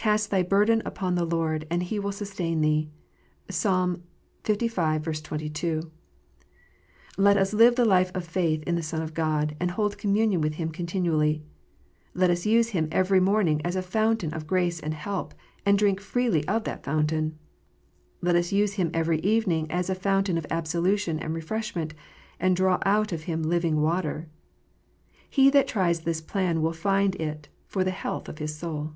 " Cast thy burden on the Lord, and He will sustain thee." (Psalm Iv. 22.) Let us live the life of faith in the Son of God, and hold communion with Him continually. Let us use Him every morning as a Fountain of grace and help, and drink freely of that Fountain. Let us use Him every evening as a Fountain of absolution and refreshment, and draw out of Him living water. He that tries this plan will find it for the health of his soul.